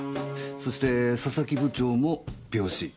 そして佐々木部長も病死。